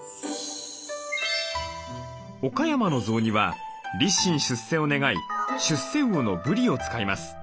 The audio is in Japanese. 岡山の雑煮は立身出世を願い出世魚のぶりを使います。